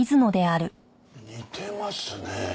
似てますね。